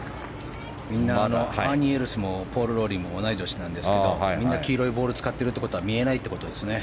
アーニー・エルスもポール・ローリーも同い年なんですけど黄色いボール使ってるってことは見えないということですね。